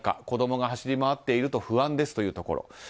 子供が走り回っていると不安ですというところ。